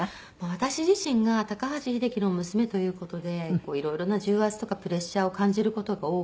私自身が高橋英樹の娘という事でいろいろな重圧とかプレッシャーを感じる事が多くて。